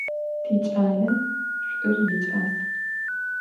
Tiç'ale ş'ur yiç'as.